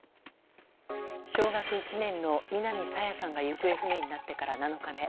小学１年の南朝芽さんが行方不明になってから７日目。